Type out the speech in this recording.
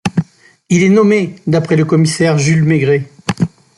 Il est nommé d'après le commissaire Jules Maigret.